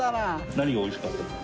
何がおいしかったですか？